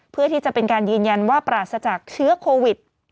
เพื่อที่จะเป็นการยืนยันว่าปราศจากเชื้อโควิด